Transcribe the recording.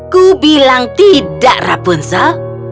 kubilang tidak rapunzel